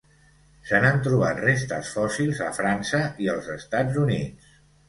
Se n'han trobat restes fòssils a França i els Estats Units.